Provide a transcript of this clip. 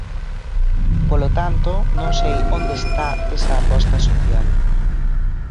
Polo tanto, non sei onde está esa aposta social.